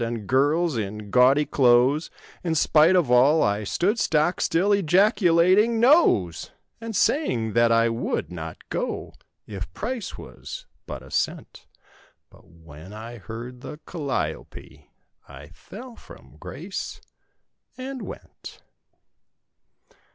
And girls (?) in gaudy clothes— In spite of all I stood stock still Ejaculating "Noes!" And saying that I would not go If price was but a cent, But when I heard the cali ope I fell from grace and—went.